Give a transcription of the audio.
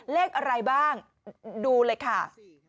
เลขอะไรบ้างดูเลยค่ะ